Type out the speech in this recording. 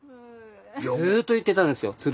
ずっと言ってたんですよ。